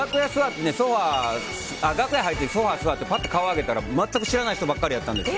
楽屋入ってソファ座ってパッと顔あげたら全く知らない人ばかりだったんです。